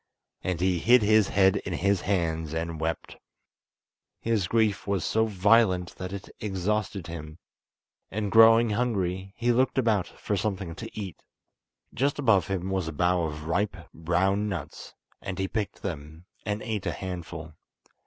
And he hid his head in his hands and wept. His grief was so violent, that it exhausted him, and growing hungry he looked about for something to eat. Just above him was a bough of ripe, brown nuts, end he picked them and ate a handful.